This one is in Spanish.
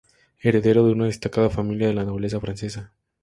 Heredero de una destacada familia de la nobleza francesa.